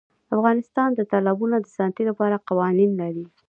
افغانستان د تالابونه د ساتنې لپاره قوانین لري.